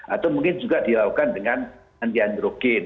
atau mungkin juga dilakukan dengan antiandrogen